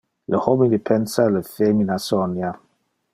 Le homine pensa, le femina sonia.